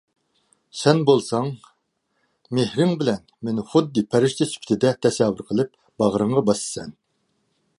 سەن بولساڭ مېھرىڭ بىلەن مېنى خۇددى پەرىشتە سۈپىتىدە تەسەۋۋۇر قىلىپ باغرىڭغا باسىسەن.